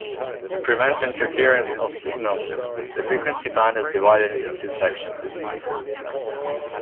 To prevent interference of signals, the frequency band is divided into two sections.